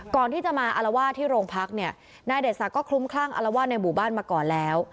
ก่อนที่จะมาอารวาสที่โรงพักเนี่ยนายเดชศักดิ์ก็คลุ้มคลั่งอารวาสในหมู่บ้านมาก่อนแล้ว